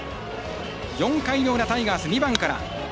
４回の裏、タイガース、２番から。